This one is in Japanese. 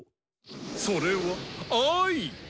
それは愛！